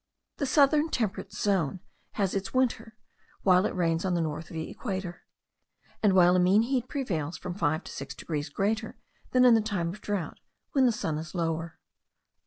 The southern temperate zone has its winter, while it rains on the north of the equator; and while a mean heat prevails from 5 to 6 degrees greater than in the time of drought, when the sun is lower.